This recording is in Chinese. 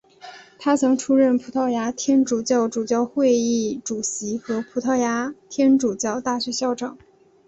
他曾出任葡萄牙天主教主教会议主席和葡萄牙天主教大学校长。